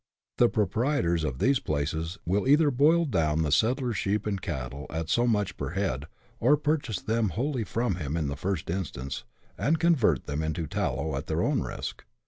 The proprietors of these places will either boil down the settler's sheep and cattle at so much per head, or purchase them wholly from him in the first instance, and convert them into tallow at their own risk.